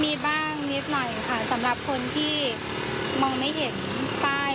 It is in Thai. มีบ้างนิดหน่อยค่ะสำหรับคนที่มองไม่เห็นป้าย